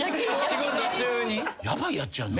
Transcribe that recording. ヤバいやつやな。